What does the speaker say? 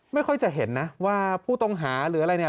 ไม่ค่อยจะเห็นนะว่าผู้ต้องหาหรืออะไรเนี่ย